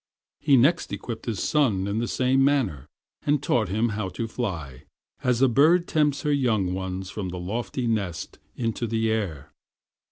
He next equipped his son in the same manner, and taught him how to fly, as a bird tempts her young ones from the lofty nest into the air.